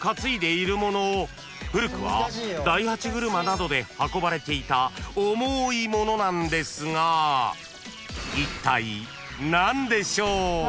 ［古くは大八車などで運ばれていた重いものなんですがいったい何でしょう？］